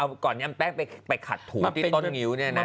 ก่อนนี้เอาแป้งไปขัดถูที่ต้นงิ้วเนี่ยนะ